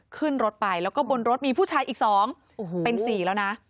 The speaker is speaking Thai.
ขึ้นรถไปแล้วก็บนรถมีผู้ชายอีก๒เป็น๔แล้วนะ